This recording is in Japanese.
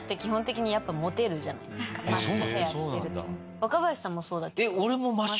若林さんもそうだけど。